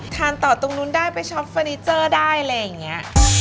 ต่อตรงนู้นได้ไปช็อปเฟอร์นิเจอร์ได้อะไรอย่างนี้